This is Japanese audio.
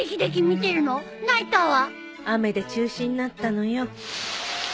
雨で中止になったのよ。